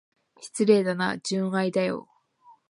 失礼だな、純愛だよ。